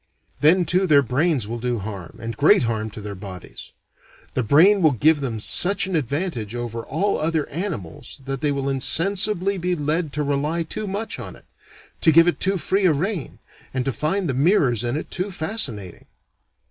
Then too their brains will do harm, and great harm, to their bodies. The brain will give them such an advantage over all other animals that they will insensibly be led to rely too much on it, to give it too free a rein, and to find the mirrors in it too fascinating.